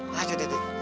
lanjut ya tuh